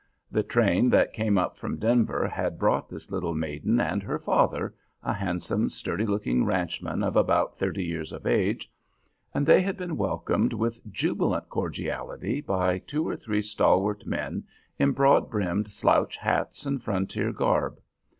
The train that came up from Denver had brought this little maiden and her father, a handsome, sturdy looking ranchman of about thirty years of age, and they had been welcomed with jubilant cordiality by two or three stalwart men in broad brimmed slouch hats and frontier garb.